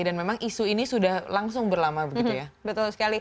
dan memang isu ini sudah langsung berlama